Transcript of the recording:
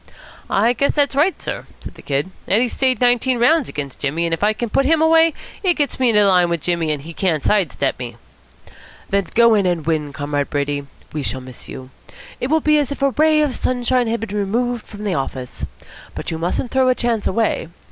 "I guess that's right, sir," said the Kid. "Eddie stayed nineteen rounds against Jimmy, and if I can put him away, it gets me into line with Jimmy, and he can't side step me." "Then go in and win, Comrade Brady. We shall miss you. It will be as if a ray of sunshine had been removed from the office. But you mustn't throw a chance away.